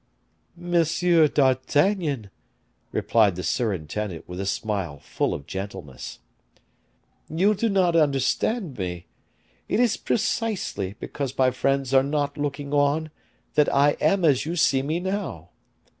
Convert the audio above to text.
"Monsieur d'Artagnan," returned the surintendant, with a smile full of gentleness, "you do not understand me; it is precisely because my friends are not looking on, that I am as you see me now.